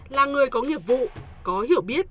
là người có nghiệp vụ có hiểu biết